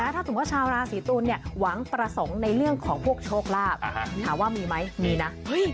ถ้าสมมุติว่าชาวราศีตุลหวังประสงค์ในเรื่องของพวกโชคลาภถามว่ามีไหมมีนะ